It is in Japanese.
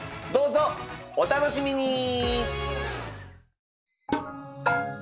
どうぞお楽しみに！